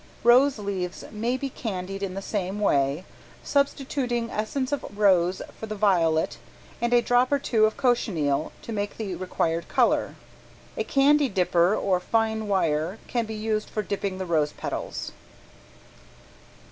Rose leaves may he candied in the same way, substituting essence of rose for the violet and a drop or two of cochineal to make the required color. A candy dipper or fine wire can be used for dipping the rose petals.